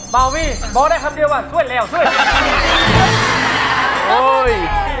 บาวี่บอกได้คำเดียวว่าช่วยแล้วช่วย